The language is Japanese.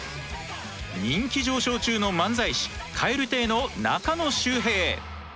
人気上昇中の漫才師蛙亭の中野周平。